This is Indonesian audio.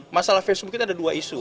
masalah facebook kita ada dua isu